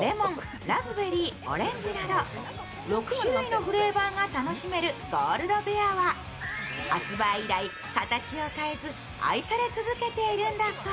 ６種類のフレーバーが楽しめるゴールドベアは発売以来、形を変えず愛され続けているんだそう。